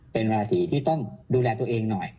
เป็นราศีที่ต้องดูแลตัวเองหน่อย